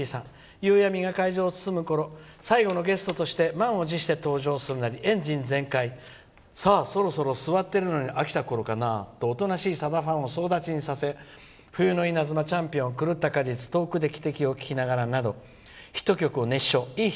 夕闇が会場を包むころ最後のゲストとして満を持して登場するなりエンジン全開さあそろそろ座っているのに飽きたころかな？とおとなしいさだファンを総立ちにさせ「冬の稲妻」「チャンピオン」「狂った果実」「遠くで汽笛を聞きながら」など熱唱。